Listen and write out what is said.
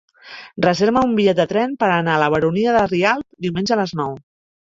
Reserva'm un bitllet de tren per anar a la Baronia de Rialb diumenge a les nou.